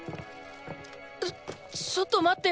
ちょちょっと待ってよ